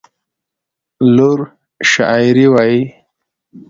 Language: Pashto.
لور شاعري وايي.